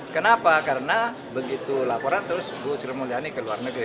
kenapa karena begitu laporan terus ibu s m ke luar negeri